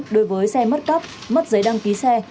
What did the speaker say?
đối với xe mất cắp mất giấy đăng ký xe